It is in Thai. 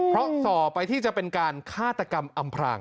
เพราะต่อไปที่จะเป็นการฆาตกรรมอำพราง